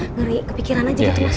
ngeri kepikiran aja gitu mas